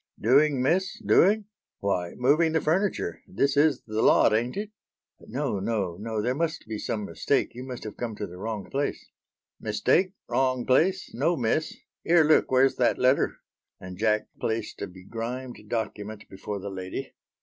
"Doing, miss, doing? Why moving the furniture. This is the lot ain't it?" "No, no, no; there must be some mistake. You must have come to the wrong place." "Mistake, wrong place? No miss. 'Ere, look where's that letter?" And Jack placed a begrimed document before the lady.